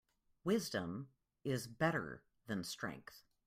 Wisdom is better than strength.